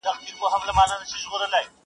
ادبي مجلسونه دا کيسه يادوي تل,